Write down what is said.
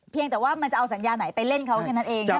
เพียงแต่ว่ามันจะเอาสัญญาไหนไปเล่นเขานั่นเองใช่ไหม